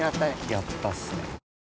やったっすね！